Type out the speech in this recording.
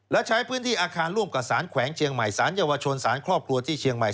และใช้พื้นที่อาคารร่วมกับสารแขวงเชียงใหม่สารเยาวชนสารครอบครัวที่เชียงใหม่